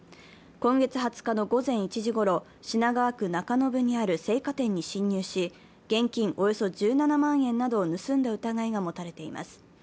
今月２０日の午前１時ごろ、品川区中延にある青果店に侵入し、現金およそ１７万円などを盗んだ疑いが持たれています。